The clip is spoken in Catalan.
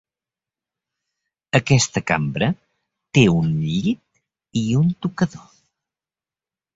Aquesta cambra té un llit i un tocador.